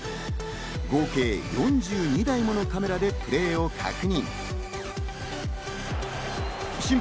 合計４２台ものカメラでプレーを確認。